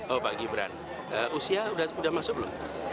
oh pak gibran usia sudah masuk belum